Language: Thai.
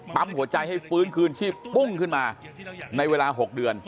หัวใจให้ฟื้นคืนชีพปุ้งขึ้นมาในเวลา๖เดือน